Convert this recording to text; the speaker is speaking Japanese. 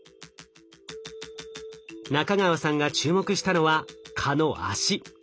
仲川さんが注目したのは蚊の脚。